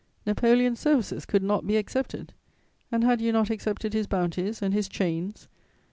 Napoleon's services could not be accepted! And had you not accepted his bounties and his chains?